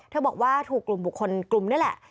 บอกว่าถูกกลุ่มบุคคลกลุ่มนี้แหละ